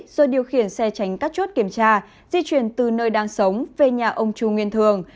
rồi điều khiển xe tránh các chốt kiểm tra di chuyển từ nơi đang sống về nhà ông chu nguyên thường